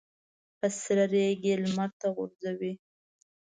په سره ریګ یې لمر ته غورځوي.